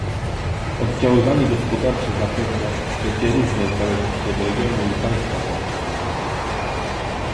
Oddziaływanie gospodarcze zapewne będzie różne w zależności od regionu i państwa członkowskiego